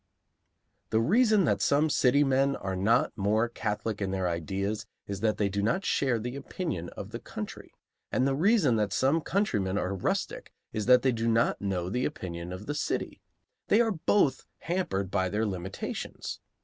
The reason that some city men are not more catholic in their ideas is that they do not share the opinion of the country, and the reason that some countrymen are rustic is that they do not know the opinion of the city; they are both hampered by their limitations.